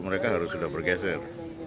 mereka harus sudah bergeser